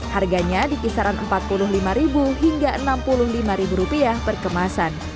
harganya di kisaran rp empat puluh lima hingga rp enam puluh lima per kemasan